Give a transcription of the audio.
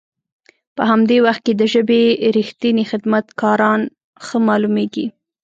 په همدي وخت کې د ژبې رښتني خدمت کاران ښه مالومیږي.